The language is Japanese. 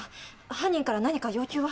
犯人から何か要求は？